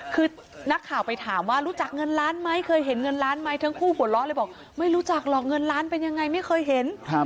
คือนักข่าวไปถามว่ารู้จักเงินล้านไหมเคยเห็นเงินล้านไหมทั้งคู่หัวเราะเลยบอกไม่รู้จักหรอกเงินล้านเป็นยังไงไม่เคยเห็น